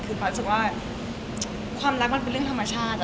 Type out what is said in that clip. คือพลอยรู้สึกว่าความรักมันเป็นเรื่องธรรมชาติ